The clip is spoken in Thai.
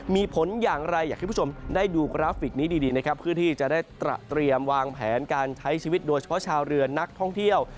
มีผลอย่างไรอยากให้ผู้ชมได้ดูกราฟิกนี้ดีนะครับเพื่อที่จะได้เตรียมวางแผนการใช้ชีวิตโดยเฉพาะชาวเรือนักท่องเที่ยว